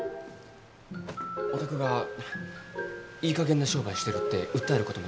お宅がいいかげんな商売してるって訴えることもできるんですよ。